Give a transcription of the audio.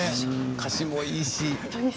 歌詞もいいし。